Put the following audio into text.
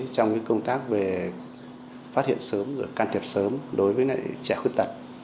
trong công tác về phát hiện sớm can thiệp sớm đối với trẻ khuyết tật